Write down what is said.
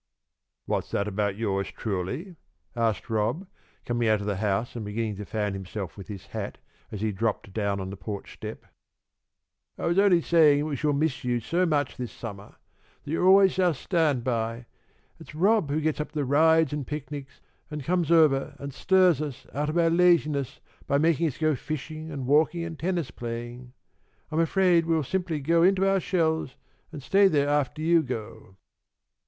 "What's that about yours truly?" asked Rob, coming out of the house and beginning to fan himself with his hat as he dropped down on the porch step. "I was just saying that we shall miss you so much this summer. That you're always our stand by. It's Rob who gets up the rides and picnics, and comes over and stirs us out of our laziness by making us go fishing and walking and tennis playing. I'm afraid we'll simply go into our shells and stay there after you go."